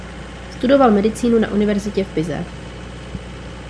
Studoval medicínu na univerzitě v Pise.